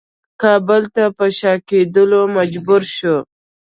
کابل ته پر شا کېدلو مجبور شو.